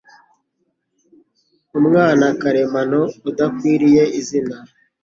umwana karemano udakwiriye izina